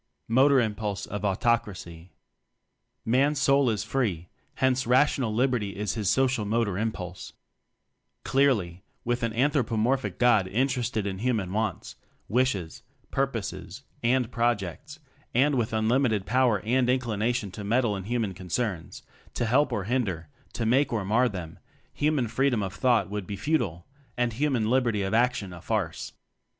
Motor Impulse of Autocracy. Man's soul is free, hence Rational Liberty is his social motor impulse. Clearly, with an anthropomorphic "God" interested in human wants, wishes, purposes, and projects, and 18 TECHNOCRACY with unlimited power and inclination to meddle in human concerns, to help or hinder, to make or mar them; human "freedom of thought" would be futile, and human "liberty of ac tion" a farce.